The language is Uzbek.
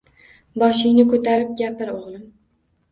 Boshingni ko‘tarib gapir o‘g‘lim!